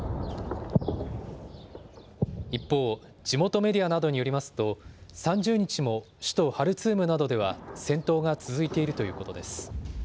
一方、地元メディアなどによりますと、３０日も首都ハルツームなどでは、戦闘が続いているということです。